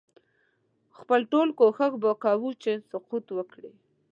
خپل ټول کوښښ به کوي چې سقوط وکړي.